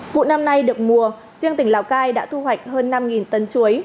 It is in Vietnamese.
vụ năm nay được mùa riêng tỉnh lào cai đã thu hoạch hơn năm tấn chuối